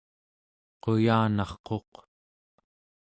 quyanarquq